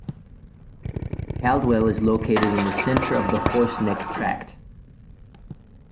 Caldwell is located in the center of the Horse Neck Tract.